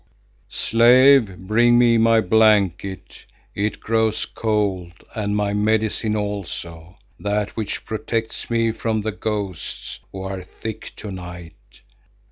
_ Slave, bring me my blanket, it grows cold, and my medicine also, that which protects me from the ghosts, who are thick to night.